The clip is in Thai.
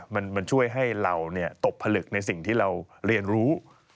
มันช่วยให้เราตกผลึกในสิ่งที่เราเรียนรู้